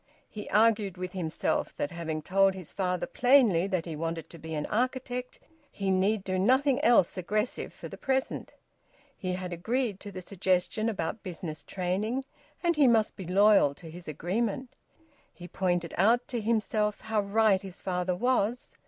He argued with himself that having told his father plainly that he wanted to be an architect, he need do nothing else aggressive for the present. He had agreed to the suggestion about business training, and he must be loyal to his agreement. He pointed out to himself how right his father was.